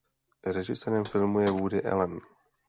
Režisérem filmu je Woody Allen.